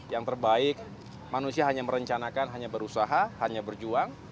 yang terbaik manusia hanya merencanakan hanya berusaha hanya berjuang